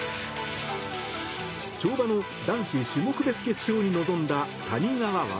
跳馬の男子種目別決勝に臨んだ谷川航。